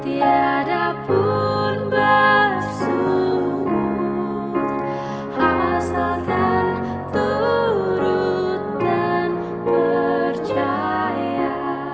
tiada pun bersungguh asalkan turut dan percaya